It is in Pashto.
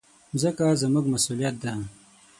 مځکه زموږ مسؤلیت ده.